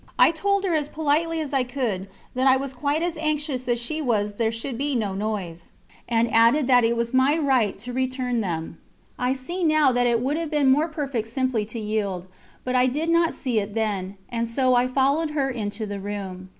I told her as politely as I could, that I was quite as anxious as she was there should be no noise, and added that it was my right to return them. I see now that it would have been more perfect simply to yield, but I did not see it then, and so I followed her into the room.